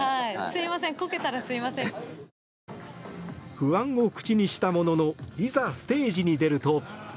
不安を口にしたもののいざステージに出ると。